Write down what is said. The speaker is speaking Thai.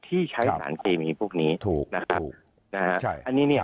ที่ใช้สารเคมีพวกนี้นะครับ